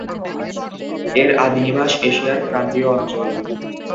এর আদিনিবাস এশিয়ার ক্রান্তীয় অঞ্চল।